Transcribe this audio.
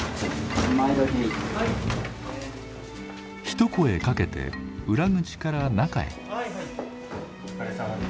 一声かけて裏口から中へ。